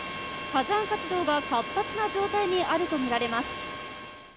火山活動が活発な状態にあるとみられます。